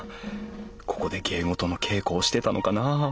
ここで芸事の稽古をしてたのかなあ？